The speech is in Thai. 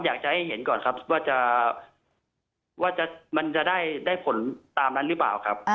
อยากจะให้เห็นก่อนครับว่ามันจะได้ผลตามนั้นหรือเปล่าครับ